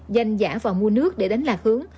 dành giả vào mua nước để đánh lạc hướng